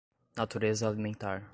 natureza alimentar